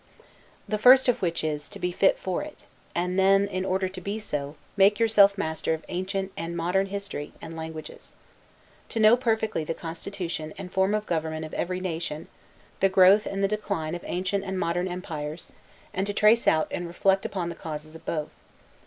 The first of which is, to be fit for it: and then, in order to be so, make yourself master of ancient and, modern history, and languages. To know perfectly the constitution, and form of government of every nation; the growth and the decline of ancient and modern empires; and to trace out and reflect upon the causes of both.